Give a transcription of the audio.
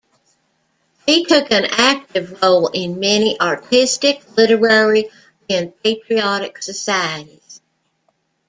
He took an active role in many artistic, literary and patriotic societies.